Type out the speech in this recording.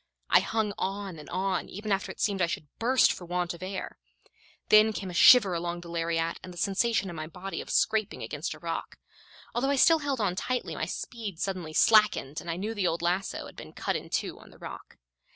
I hung on and on, even after it seemed I should burst for want of air. Then came a shiver along the lariat and the sensation in my body of scraping against a rock. Although I still held on tightly, my speed suddenly slackened, and I knew the old lasso had been cut in two on the rock.